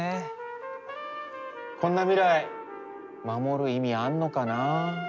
こんな未来守る意味あんのかな？